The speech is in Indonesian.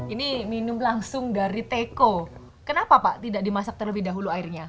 ini minum langsung dari teko kenapa pak tidak dimasak terlebih dahulu airnya